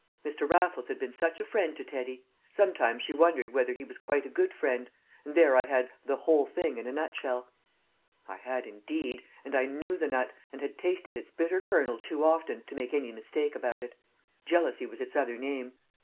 Mr. Raffles had been such a friend to Teddy; sometimes she wondered whether he was quite a good friend; and there I had "the whole thing in a nutshell." I had indeed! And I knew the nut, and had tasted its bitter kernel too often to make any mistake about it. Jealousy was its other name.